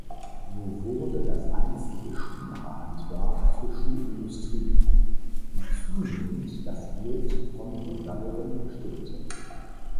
So wurde das einstige Schuhmacherhandwerk zur Schuhindustrie, die zunehmend das Bild von Rodalben bestimmte.